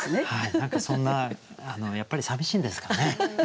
何かそんなやっぱりさみしいんですかね？